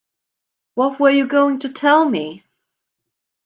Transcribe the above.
What were you going to tell me?